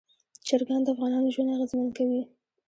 چرګان د افغانانو ژوند اغېزمن کوي.